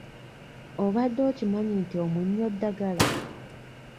Obadde okimanyi nti omunnyo ddagala?